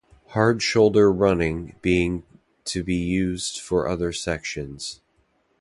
Hard-shoulder running being to be used for other sections.